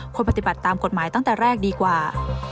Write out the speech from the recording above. ปฏิบัติตามกฎหมายตั้งแต่แรกดีกว่า